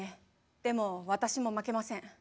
でも私も負けません。